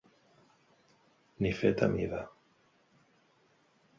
Ni fet a mida.